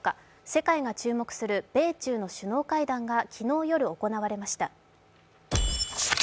世界が注目する米中の首脳会談が昨日夜、行われました。